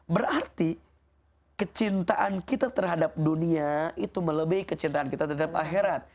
berarti kecintaan kita terhadap dunia itu melebihi kecintaan kita terhadap akhirat